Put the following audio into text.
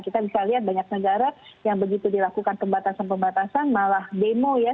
kita bisa lihat banyak negara yang begitu dilakukan pembatasan pembatasan malah demo ya